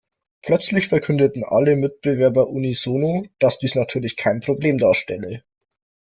Plötzlich verkündeten alle Mitbewerber unisono, dass dies natürlich kein Problem darstelle.